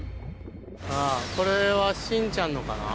あぁこれは慎ちゃんのかな。